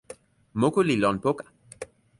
moku li lon poka.